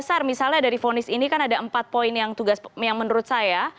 dasar misalnya dari vonis ini kan ada empat poin yang tugas yang menurut saya